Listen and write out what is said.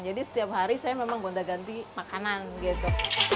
jadi setiap hari saya memang gonta ganti makanan gitu